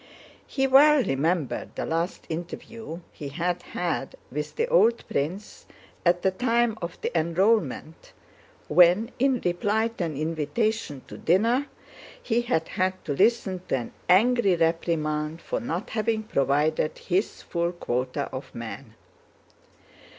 He well remembered the last interview he had had with the old prince at the time of the enrollment, when in reply to an invitation to dinner he had had to listen to an angry reprimand for not having provided his full quota of men.